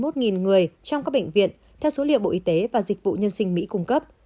trong các bệnh viện theo số liệu bộ y tế và dịch vụ nhân sinh mỹ cung cấp